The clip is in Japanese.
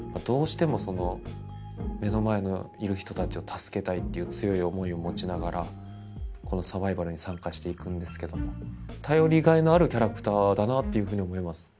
熱血漢っていう強い思いを持ちながらこのサバイバルに参加していくんですけども頼りがいのあるキャラクターだなっていうふうに思います